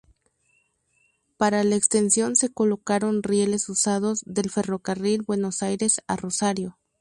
Para la extensión se colocaron rieles usados del Ferrocarril Buenos Aires a Rosario.